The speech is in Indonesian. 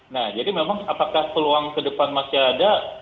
nah jadi memang apakah peluang kedepan masih ada